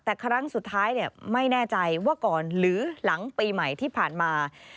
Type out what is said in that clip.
แต่ครั้งสุดท้ายไม่แน่ใจว่าก่อนหรือหลังปีใหม่ที่ผ่านมา